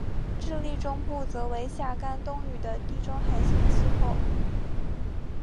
智利中部则为夏干冬雨的地中海型气候。